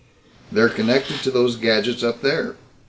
"They're connected to those gadgets up there."